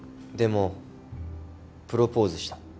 でもプロポーズした。